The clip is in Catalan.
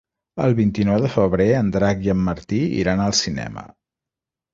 El vint-i-nou de febrer en Drac i en Martí iran al cinema.